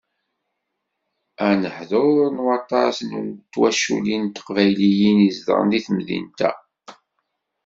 Aneḥḍur n waṭas n twaculin tiqbayliyin i izedɣen deg temdint-a.